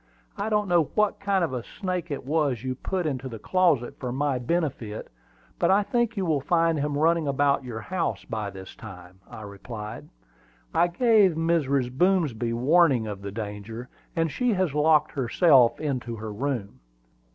I don't know what kind of a snake it was you put into the closet for my benefit; but I think you will find him running about your house by this time," I replied. "I gave Mrs. Boomsby warning of the danger, and she has locked herself into her room."